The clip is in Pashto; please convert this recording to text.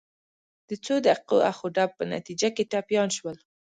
د څو دقیقو اخ و ډب په نتیجه کې ټپیان شول.